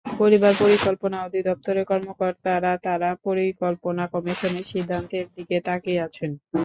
পরিবার পরিকল্পনা অধিদপ্তরের কর্মকর্তারা এখন পরিকল্পনা কমিশনের সিদ্ধান্তের দিকে তাকিয়ে আছেন।